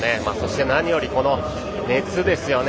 何より、この熱ですよね。